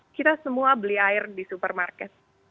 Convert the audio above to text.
kita semua beli air di supermarket